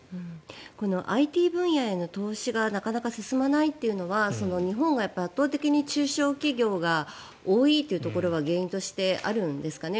このＩＴ分野への投資がなかなか進まないというのは日本が圧倒的に中小企業が多いというところが原因としてあるんですかね。